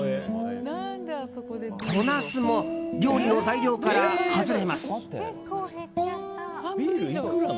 小ナスも料理の材料から外れます。